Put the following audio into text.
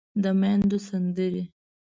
د ميندو سندرې